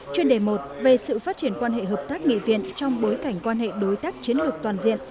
chuyên đề một về sự phát triển quan hệ hợp tác nghị viện trong bối cảnh quan hệ đối tác chiến lược toàn diện